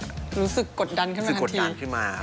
รู้สึกกดดันขึ้นมาทันที